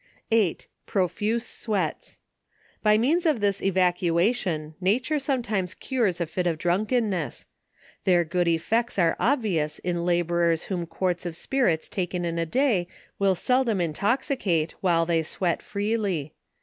8. Profuse sweats. By means of this evacuation, na ture sometimes cures a fit of drunkenness. Their good effects are obvious in labourers, whom quarts of spirits taken in a day, will seldom intoxicate, while they sweat freely.